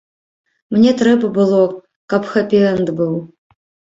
Мне трэба было, каб хэпі-энд быў.